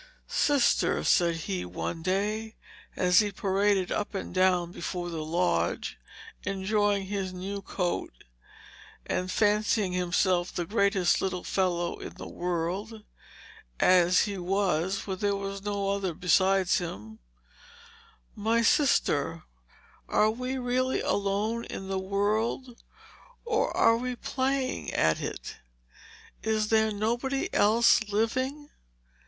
"Sister," said he one day, as he paraded up and down before the lodge, enjoying his new coat and fancying himself the greatest little fellow in the world as he was, for there was no other besides him "My sister, are we really alone in the world, or are we playing at it? Is there nobody else living?